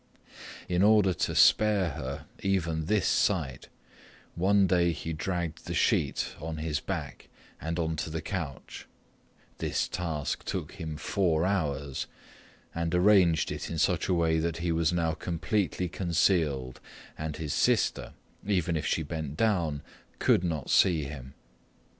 In order to spare her even this sight, one day he dragged the sheet on his back and onto the couch—this task took him four hours—and arranged it in such a way that he was now completely concealed and his sister, even if she bent down, could not see him.